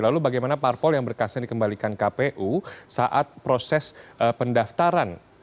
lalu bagaimana parpol yang berkasnya dikembalikan kpu saat proses pendaftaran